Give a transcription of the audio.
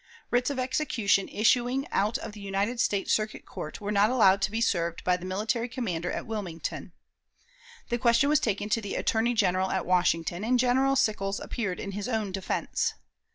Writs of execution issuing out of the United States Circuit Court were not allowed to be served by the military commander at Wilmington. The question was taken to the Attorney General at Washington, and General Sickles appeared in his own defense.